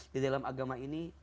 di dalam agama ini